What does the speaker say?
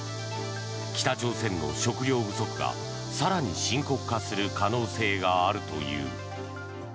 北朝鮮の食糧不足が更に深刻化する可能性があるという。